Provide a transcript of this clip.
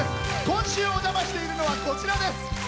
今週お邪魔しているのはこちらです。